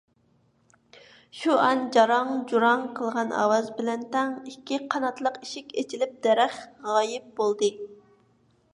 شۇئان جاراڭ - جۇراڭ قىلغان ئاۋاز بىلەن تەڭ ئىككى قاناتلىق ئىشىك ئېچىلىپ دەرەخ غايىب بولدى.